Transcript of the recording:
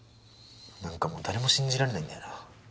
なんかもう誰も信じられないんだよな。